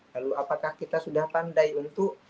lalu apakah kita sudah pandai untuk